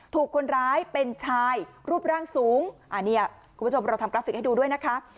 ถูกคนร้ายเป็นชายรูปร่างสูงอันนี้คุณผู้ชมเราทำกราฟิกให้ดูด้วยนะคะ